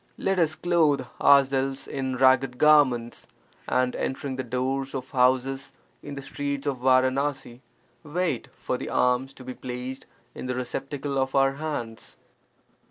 Let us clothe ourselves in ragged garments, and entering the doors of houses in the streets of Varanasi, wait for the alms to be placed in the receptacle of our hands.